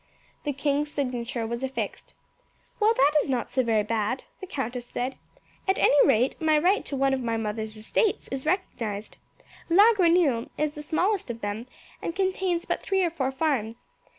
The king's signature was affixed. "Well, that is not so very bad," the countess said. "At any rate my right to one of my mother's estates is recognized. La Grenouille is the smallest of them, and contains but three or four farms.